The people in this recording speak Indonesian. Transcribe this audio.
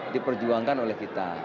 diperjuangkan oleh kita